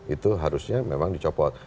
itu harusnya memang dicopot